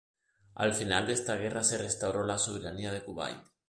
Al final de esta guerra se restauró la soberanía de Kuwait.